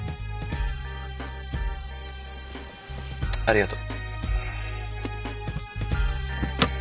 ありがと。